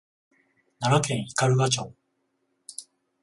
奈良県斑鳩町